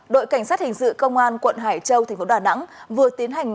đội cảnh sát hình sự công an quận hải châu tp đà nẵng vừa tiến hành